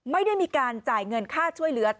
ไม่ได้มีการจ่ายเงินค่าช่วยเหลือ